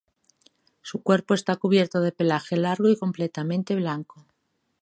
Su cuerpo está cubierto de pelaje largo y completamente blanco.